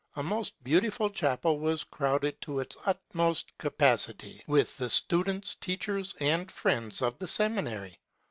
A most beauti ful chapel was crowded to its utmost capacity with the students, teachers, and friends of the seminary.